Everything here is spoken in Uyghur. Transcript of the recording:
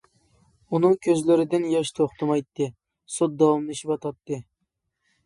ئۇنىڭ كۆزلىرىدىن ياش توختىمايتتى. سوت داۋاملىشىۋاتاتتى.